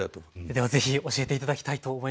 ではぜひ教えて頂きたいと思います。